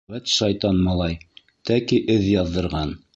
— Вәт, шайтан малай, тәки эҙ яҙҙырған.